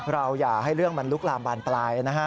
อย่าให้เรื่องมันลุกลามบานปลายนะฮะ